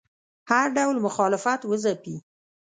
هر ډول مخالفت وځپي